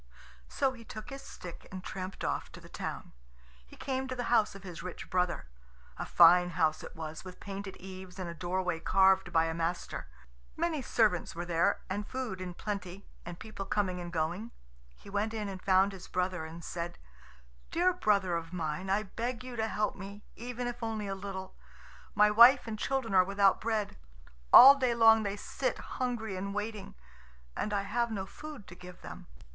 So he took his stick and tramped off to the town. He came to the house of his rich brother. A fine house it was, with painted eaves and a doorway carved by a master. Many servants were there and food in plenty, and people coming and going. He went in and found his brother, and said, "Dear brother of mine, I beg you help me, even if only a little. My wife and children are without bread. All day long they sit hungry and waiting, and I have no food to give them."